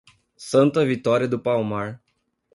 Santa Vitória do Palmar